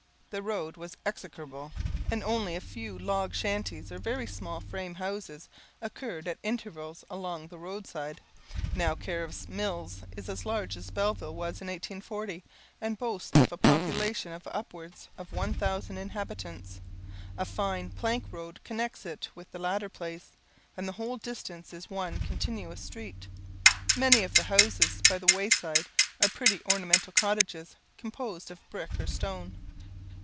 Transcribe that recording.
The road was execrable; and only a few log shanties, or very small frame houses, occurred at intervals along the road side. Now, Cariff's Mills is as large as Belleville was in 1840, and boasts of a population of upwards of 1000 inhabitants. A fine plank road connects it with the latter place, and the whole distance is one continuous street. Many of the houses by the wayside are pretty ornamental cottages, composed of brick or stone.